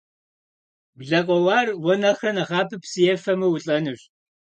Блэ къоуар уэ нэхърэ нэхъапэ псы ефамэ, улӏэнущ.